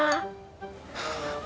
kamu diam dulu nyadoy